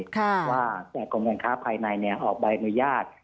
ว่ากรมการค้าภายในออกใบอนุญาต